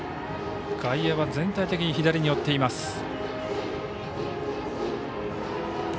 外野は全体的に左に寄っています。